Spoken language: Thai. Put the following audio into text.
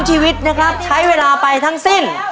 ๓ชีวิตใช้เวลาไปทั้งสิ้น